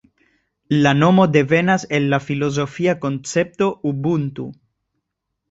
La nomo devenas el la filozofia koncepto Ubuntu.